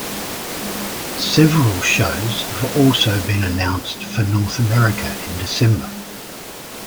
Several shows have also been announced for North America in December.